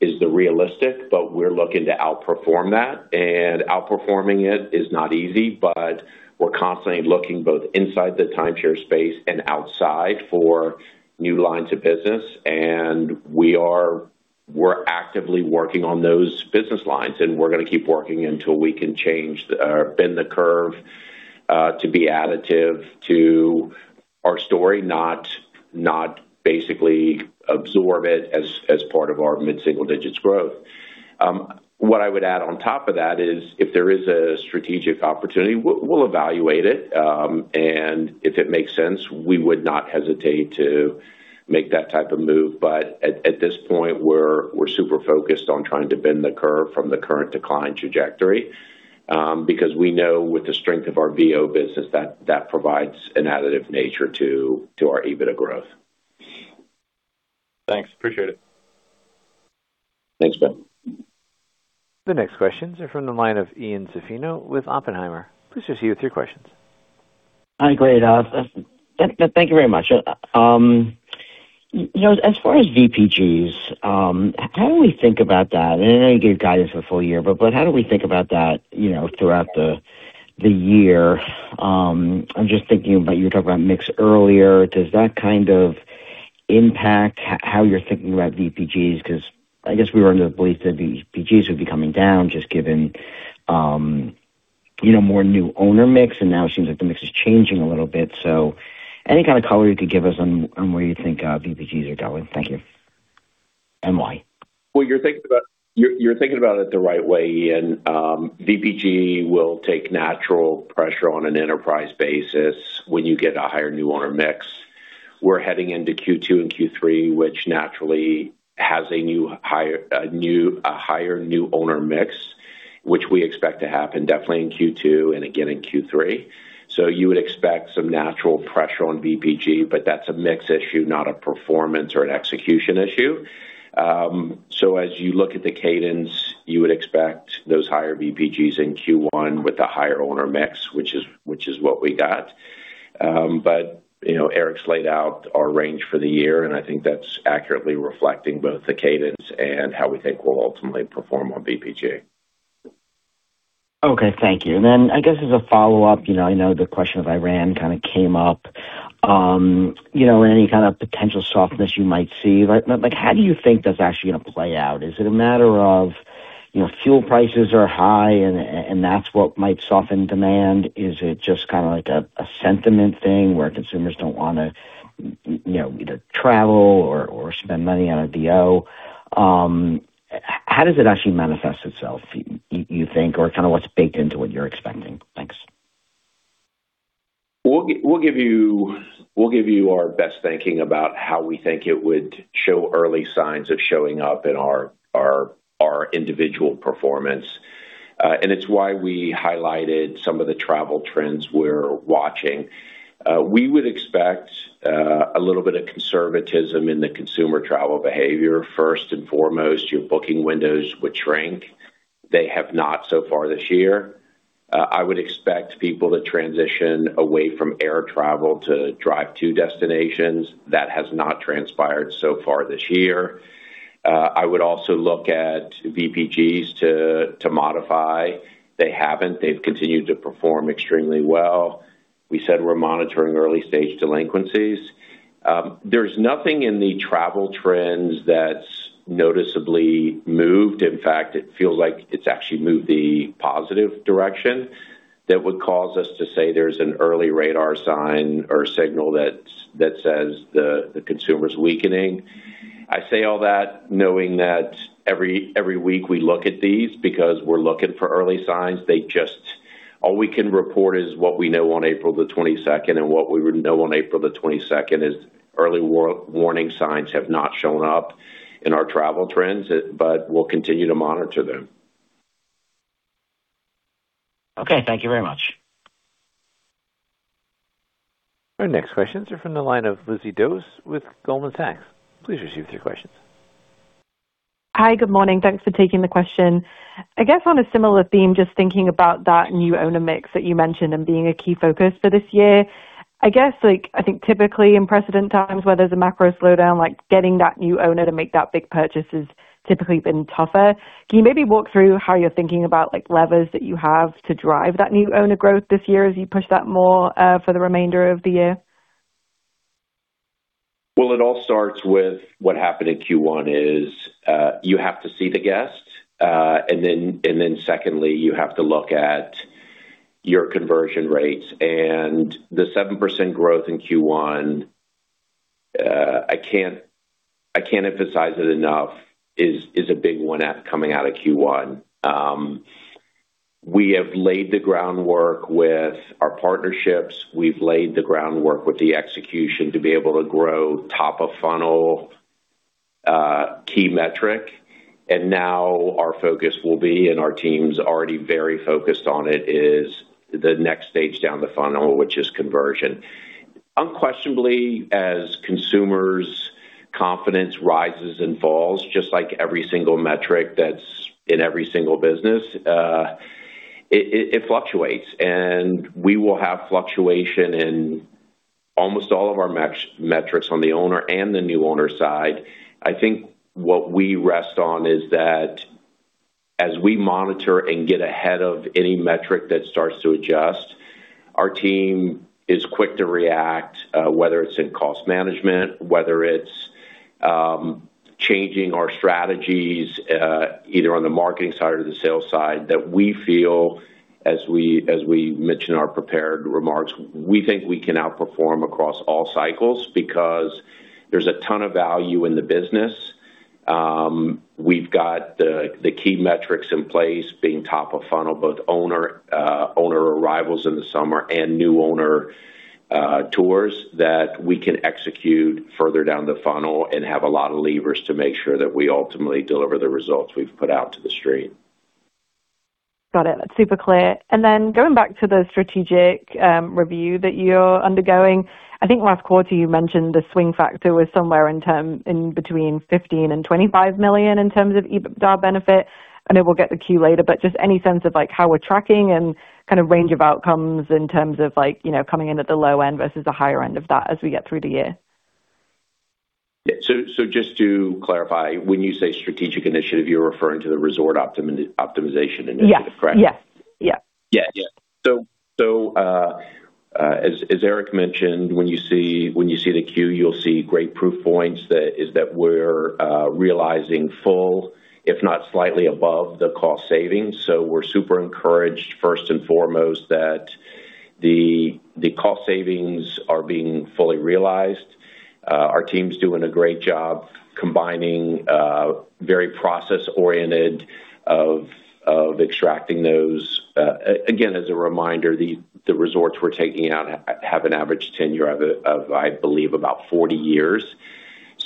the realistic, but we're looking to outperform that, and outperforming it is not easy, but we're constantly looking both inside the timeshare space and outside for new lines of business, and we're actively working on those business lines, and we're going to keep working until we can bend the curve to be additive to our story, not basically absorb it as part of our mid-single digits growth. What I would add on top of that is if there is a strategic opportunity, we'll evaluate it, and if it makes sense, we would not hesitate to make that type of move. At this point, we're super focused on trying to bend the curve from the current decline trajectory, because we know with the strength of our VO business that provides an additive nature to our EBITDA growth. Thanks. Appreciate it. Thanks, Ben. The next questions are from the line of Ian Zaffino with Oppenheimer. Please proceed with your questions. Hi, great. Thank you very much. As far as VPGs, how do we think about that? I know you gave guidance for the full year, but how do we think about that throughout the year? I'm just thinking about, you were talking about mix earlier. Does that kind of impact how you're thinking about VPGs? Because I guess we were under the belief that VPGs would be coming down just given more new owner mix, and now it seems like the mix is changing a little bit. So any kind of color you could give us on where you think VPGs are going? Thank you. And why. Well, you're thinking about it the right way, Ian. VPG will take natural pressure on an enterprise basis when you get a higher new owner mix. We're heading into Q2 and Q3, which naturally has a higher new owner mix, which we expect to happen definitely in Q2 and again in Q3. You would expect some natural pressure on VPG, but that's a mix issue, not a performance or an execution issue. As you look at the cadence, you would expect those higher VPGs in Q1 with the higher owner mix, which is what we got. Erik's laid out our range for the year, and I think that's accurately reflecting both the cadence and how we think we'll ultimately perform on VPG. Okay, thank you. I guess as a follow-up, I know the question of Iran kind of came up. Any kind of potential softness you might see, how do you think that's actually going to play out? Is it a matter of fuel prices are high and that's what might soften demand? Is it just kind of like a sentiment thing where consumers don't want to either travel or spend money on a VO? How does it actually manifest itself, you think, or kind of what's baked into what you're expecting? Thanks. We'll give you our best thinking about how we think it would show early signs of showing up in our individual performance. It's why we highlighted some of the travel trends we're watching. We would expect a little bit of conservatism in the consumer travel behavior. First and foremost, your booking windows would shrink. They have not so far this year. I would expect people to transition away from air travel to drive to destinations. That has not transpired so far this year. I would also look at VPGs to modify. They haven't, they've continued to perform extremely well. We said we're monitoring early-stage delinquencies. There's nothing in the travel trends that's noticeably moved. In fact, it feels like it's actually moved the positive direction that would cause us to say there's an early radar sign or signal that says the consumer's weakening. I say all that knowing that every week we look at these because we're looking for early signs. All we can report is what we know on April the 22nd, and what we know on April the 22nd is early warning signs have not shown up in our travel trends, but we'll continue to monitor them. Okay. Thank you very much. Our next questions are from the line of Lizzie Dove with Goldman Sachs. Please receive your questions. Hi. Good morning. Thanks for taking the question. I guess on a similar theme, just thinking about that new owner mix that you mentioned and being a key focus for this year. I guess, I think typically in precedent times where there's a macro slowdown, like getting that new owner to make that big purchase has typically been tougher. Can you maybe walk through how you're thinking about levers that you have to drive that new owner growth this year as you push that more for the remainder of the year? Well, it all starts with what happened in Q1 is, you have to see the guest. Secondly, you have to look at your conversion rates. The 7% growth in Q1, I can't emphasize it enough, is a big one coming out of Q1. We have laid the groundwork with our partnerships. We've laid the groundwork with the execution to be able to grow top of funnel key metric, and now our focus will be, and our team's already very focused on it, is the next stage down the funnel, which is conversion. Unquestionably, as consumers' confidence rises and falls, just like every single metric that's in every single business, it fluctuates, and we will have fluctuation in almost all of our metrics on the owner and the new owner side. I think what we rest on is that as we monitor and get ahead of any metric that starts to adjust, our team is quick to react, whether it's in cost management, whether it's changing our strategies, either on the marketing side or the sales side, that we feel, as we mentioned in our prepared remarks, we think we can outperform across all cycles because there's a ton of value in the business. We've got the key metrics in place, being top of funnel, both owner arrivals in the summer and new owner tours that we can execute further down the funnel and have a lot of levers to make sure that we ultimately deliver the results we've put out to the street. Got it. That's super clear. Then going back to the strategic review that you're undergoing, I think last quarter you mentioned the swing factor was somewhere between $15 million-$25 million in terms of EBITDA benefit. I know we'll get the Q later, but just any sense of how we're tracking and kind of range of outcomes in terms of coming in at the low end versus the higher end of that as we get through the year? Yeah. Just to clarify, when you say strategic initiative, you're referring to the resort optimization initiative, correct? Yes. Yeah. As Erik mentioned, when you see the queue, you'll see great proof points, that is that we're realizing full, if not slightly above, the cost savings. We're super encouraged first and foremost that the cost savings are being fully realized. Our team's doing a great job combining very process-oriented of extracting those. Again, as a reminder, the resorts we're taking out have an average tenure of, I believe, about 40 years.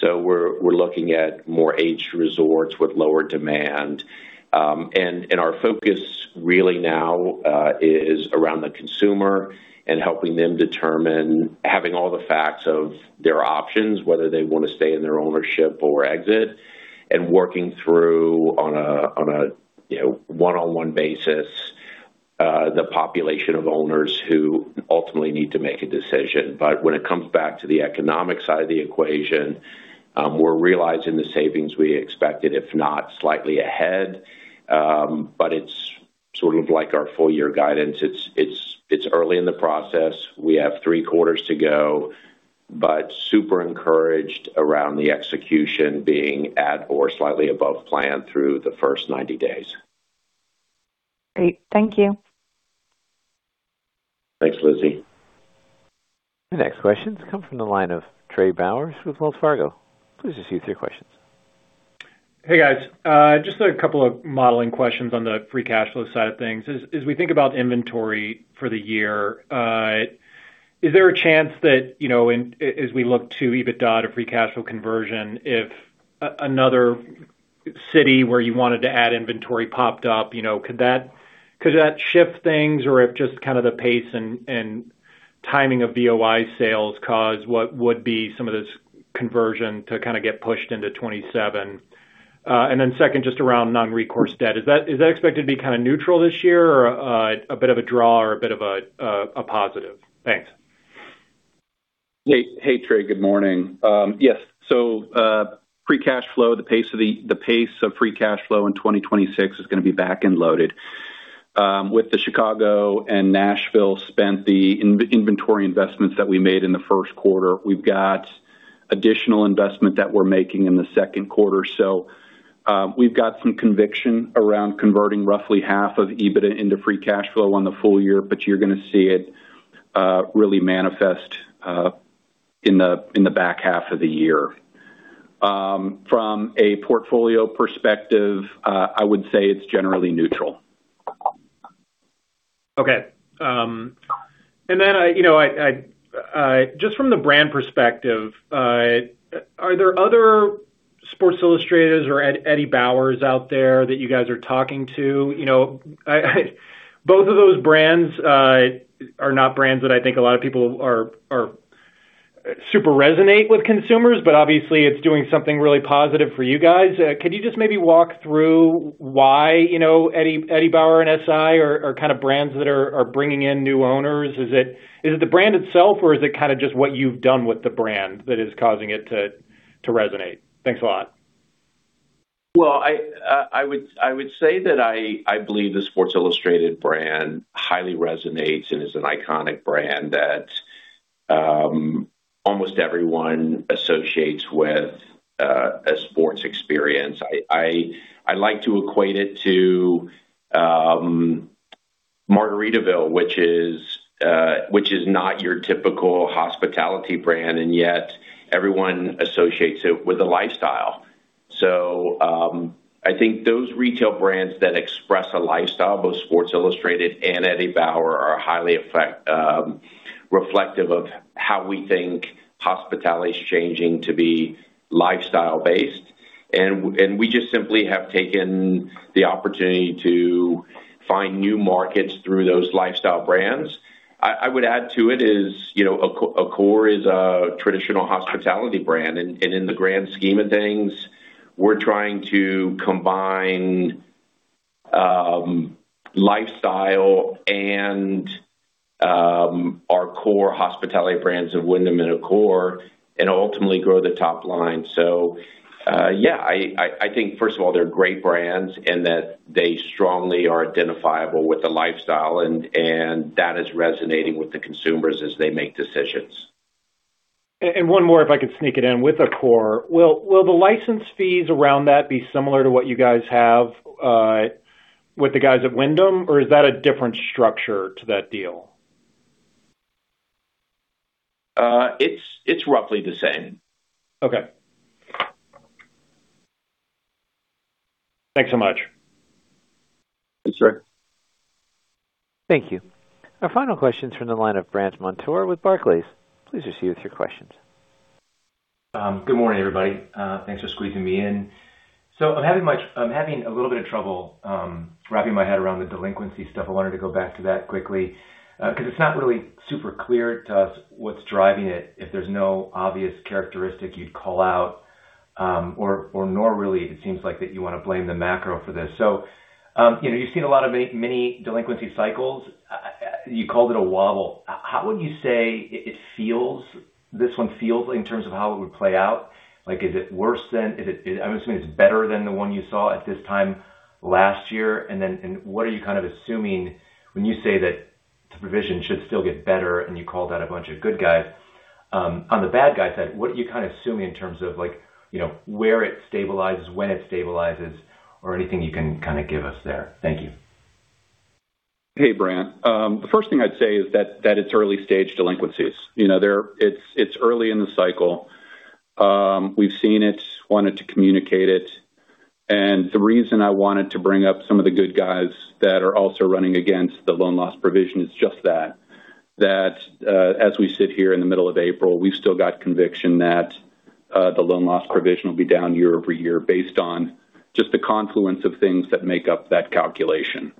We're looking at more aged resorts with lower demand. Our focus really now is around the consumer and helping them determine having all the facts of their options, whether they want to stay in their ownership or exit, and working through on a one-on-one basis the population of owners who ultimately need to make a decision. When it comes back to the economic side of the equation, we're realizing the savings we expected, if not slightly ahead. It's sort of like our full year guidance. It's early in the process. We have three quarters to go, but super encouraged around the execution being at or slightly above plan through the first 90 days. Great. Thank you. Thanks, Lizzie. The next questions come from the line of Trey Bowers with Wells Fargo. Please proceed with your questions. Hey, guys. Just a couple of modeling questions on the free cash flow side of things. As we think about inventory for the year, is there a chance that, as we look to EBITDA to free cash flow conversion, if another city where you wanted to add inventory popped up, could that shift things? Or if just kind of the pace and timing of VOI sales cause what would be some of this conversion to kind of get pushed into 2027? Second, just around non-recourse debt. Is that expected to be kind of neutral this year or a bit of a draw or a bit of a positive? Thanks. Hey, Trey. Good morning. Yes. Free cash flow, the pace of free cash flow in 2026 is going to be back-end loaded. With the Chicago and Nashville spend the inventory investments that we made in the first quarter, we've got additional investment that we're making in the second quarter. We've got some conviction around converting roughly half of EBITDA into free cash flow on the full year, but you're going to see it really manifest in the back half of the year. From a portfolio perspective, I would say it's generally neutral. Okay. Just from the brand perspective, are there other Sports Illustrateds or Eddie Bauers out there that you guys are talking to? Both of those brands are not brands that I think a lot of people super resonate with consumers, but obviously it's doing something really positive for you guys. Could you just maybe walk through why Eddie Bauer and SI are kind of brands that are bringing in new owners? Is it the brand itself, or is it kind of just what you've done with the brand that is causing it to resonate? Thanks a lot. Well, I would say that I believe the Sports Illustrated brand highly resonates and is an iconic brand that almost everyone associates with a sports experience. I like to equate it to Margaritaville, which is not your typical hospitality brand, and yet everyone associates it with a lifestyle. I think those retail brands that express a lifestyle, both Sports Illustrated and Eddie Bauer, are highly reflective of how we think hospitality is changing to be lifestyle-based, and we just simply have taken the opportunity to find new markets through those lifestyle brands. I would add to it is Accor is a traditional hospitality brand, and in the grand scheme of things, we're trying to combine lifestyle and our core hospitality brands of Wyndham and Accor and ultimately grow the top line. Yeah, I think first of all, they're great brands and that they strongly are identifiable with the lifestyle, and that is resonating with the consumers as they make decisions. One more, if I could sneak it in with Accor. Will the license fees around that be similar to what you guys have with the guys at Wyndham or is that a different structure to that deal? It's roughly the same. Okay. Thanks so much. Thanks, Trey. Thank you. Our final question's from the line of Brandt Montour with Barclays. Please proceed with your questions. Good morning, everybody. Thanks for squeezing me in. I'm having a little bit of trouble wrapping my head around the delinquency stuff. I wanted to go back to that quickly, because it's not really super clear to us what's driving it, if there's no obvious characteristic you'd call out, or nor really, it seems like that you want to blame the macro for this. You've seen a lot of mini delinquency cycles. You called it a wobble. How would you say this one feels in terms of how it would play out? I'm assuming it's better than the one you saw at this time last year. What are you kind of assuming when you say that the provision should still get better and you called out a bunch of good guys. On the bad guy side, what are you kind of assuming in terms of where it stabilizes, when it stabilizes, or anything you can kind of give us there? Thank you. Hey, Brandt. The first thing I'd say is that it's early-stage delinquencies. It's early in the cycle. We've seen it, wanted to communicate it. The reason I wanted to bring up some of the good guys that are also running against the loan loss provision is just that. That as we sit here in the middle of April, we've still got conviction that the loan loss provision will be down year-over-year based on just the confluence of things that make up that calculation.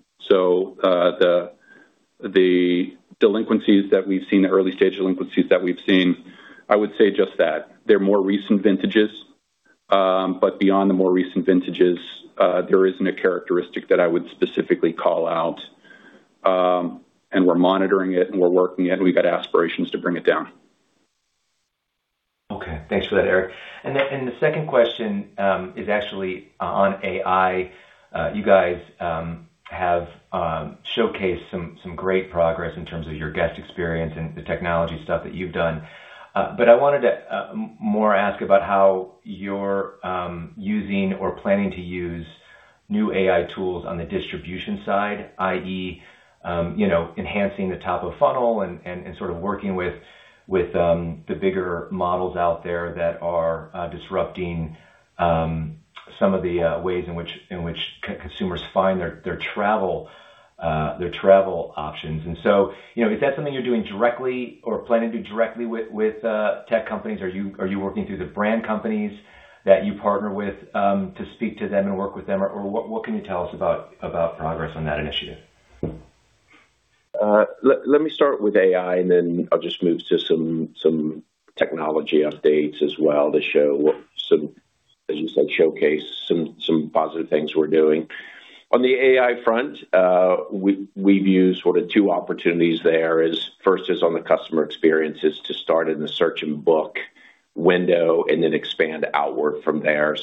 The delinquencies that we've seen, the early stage delinquencies that we've seen, I would say just that. They're more recent vintages. Beyond the more recent vintages, there isn't a characteristic that I would specifically call out. We're monitoring it, and we're working it, and we've got aspirations to bring it down. Okay. Thanks for that, Erik. The second question is actually on AI. You guys have showcased some great progress in terms of your guest experience and the technology stuff that you've done. I wanted to ask more about how you're using or planning to use new AI tools on the distribution side, i.e., enhancing the top of funnel and sort of working with the bigger models out there that are disrupting some of the ways in which consumers find their travel options. Is that something you're doing directly or planning to do directly with tech companies? Are you working through the brand companies that you partner with to speak to them and work with them? What can you tell us about progress on that initiative? Let me start with AI, and then I'll just move to some technology updates as well to show some, as you said, showcase some positive things we're doing. On the AI front, we've used sort of two opportunities there is, first is on the customer experience is to start in the search and book window and then expand outward from there.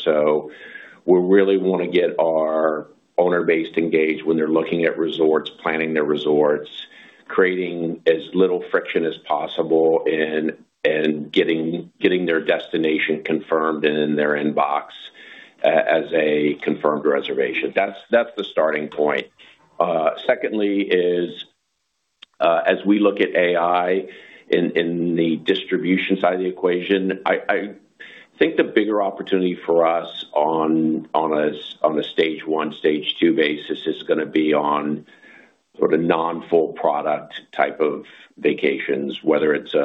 We really want to get our owner base engaged when they're looking at resorts, planning their resorts, creating as little friction as possible and getting their destination confirmed and in their inbox as a confirmed reservation. That's the starting point. As we look at AI in the distribution side of the equation, I think the bigger opportunity for us on a stage one, stage two basis is going to be on sort of non-full product type of vacations, whether it's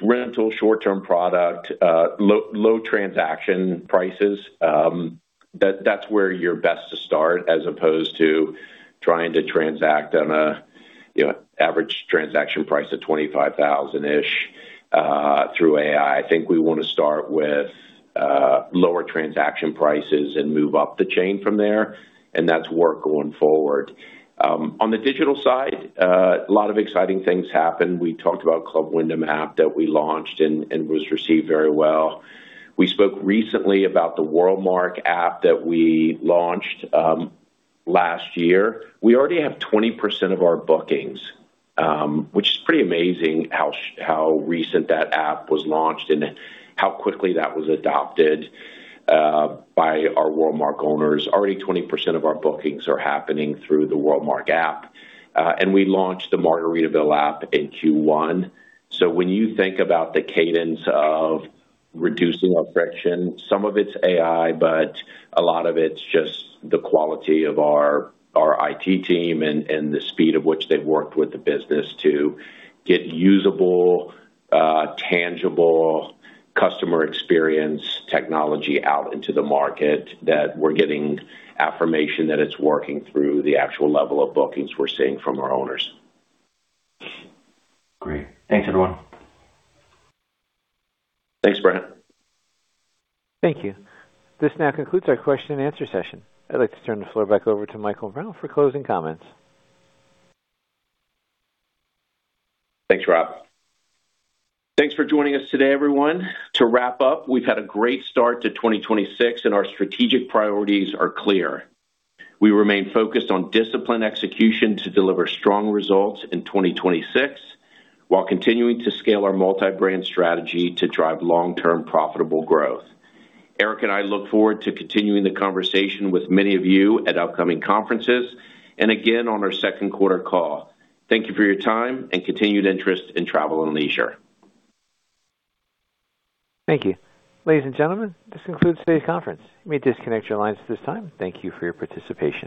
rental, short-term product, low transaction prices, that's where you're best to start as opposed to trying to transact on a average transaction price of $25,000-ish through AI. I think we want to start with lower transaction prices and move up the chain from there, and that's work going forward. On the digital side, a lot of exciting things happened. We talked about Club Wyndham app that we launched and was received very well. We spoke recently about the WorldMark app that we launched last year. We already have 20% of our bookings, which is pretty amazing how recent that app was launched and how quickly that was adopted by our WorldMark owners. Already 20% of our bookings are happening through the WorldMark app. We launched the Margaritaville app in Q1. When you think about the cadence of reducing our friction, some of it's AI, but a lot of it's just the quality of our IT team and the speed of which they've worked with the business to get usable, tangible customer experience technology out into the market that we're getting affirmation that it's working through the actual level of bookings we're seeing from our owners. Great. Thanks, everyone. Thanks, Brandt. Thank you. This now concludes our question and answer session. I'd like to turn the floor back over to Michael Brown for closing comments. Thanks, uncertain. Thanks for joining us today, everyone. To wrap up, we've had a great start to 2026, and our strategic priorities are clear. We remain focused on disciplined execution to deliver strong results in 2026, while continuing to scale our multi-brand strategy to drive long-term profitable growth. Erik and I look forward to continuing the conversation with many of you at upcoming conferences and again on our second quarter call. Thank you for your time and continued interest in Travel + Leisure. Thank you. Ladies and gentlemen, this concludes today's conference. You may disconnect your lines at this time. Thank you for your participation.